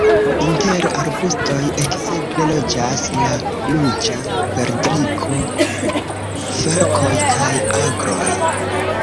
Inter arbustoj ekzemple loĝas la Ruĝa perdriko, falkoj kaj agloj.